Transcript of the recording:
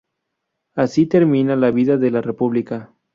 Así terminaba la vida de la república.